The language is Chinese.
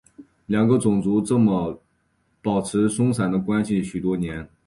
两个种族就这么保持松散的关系许多年。